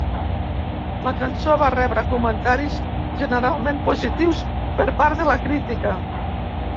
La cançó va rebre comentaris generalment positius per part de la crítica.